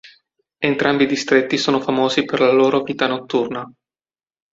Entrambi i distretti sono famosi per la loro vita notturna.